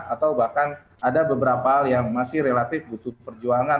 atau bahkan ada beberapa hal yang masih relatif butuh perjuangan